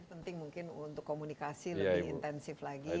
penting mungkin untuk komunikasi lebih intensif lagi